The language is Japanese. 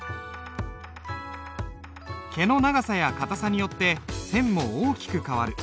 毛の長さや硬さによって線も大きく変わる。